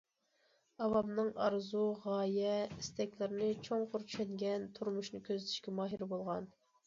ئاۋامنىڭ ئارزۇ، غايە، ئىستەكلىرىنى چوڭقۇر چۈشەنگەن، تۇرمۇشنى كۆزىتىشكە ماھىر بولغان.